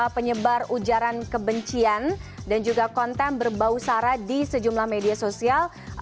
penyebar ujaran kebencian dan juga konten berbau sara di sejumlah media sosial